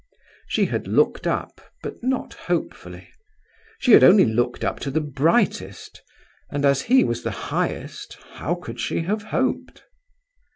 She had looked up, but not hopefully. She had only looked up to the brightest, and, as he was the highest, how could she have hoped?